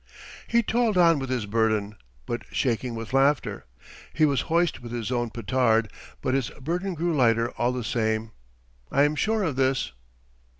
He toiled on with his burden, but shaking with laughter. He was hoist with his own petard, but his burden grew lighter all the same. I am sure of this.